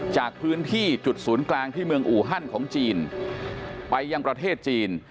จากพื้นที่จุดศูนย์กลางที่เมืองอูฮันของจีนไปยังประเทศจีน